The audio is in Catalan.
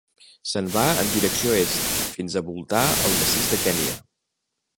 Se'n va en direcció est, fins a voltar el massís de Kenya.